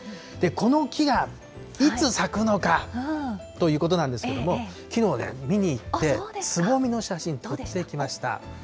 この木がいつ咲くのかということなんですけれども、きのうはね、見に行って、つぼみの写真撮ってきました。